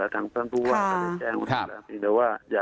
ทั้งบางทุวว่า